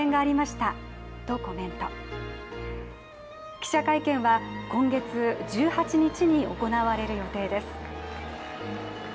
記者会見は、今月１８日に行われる予定です。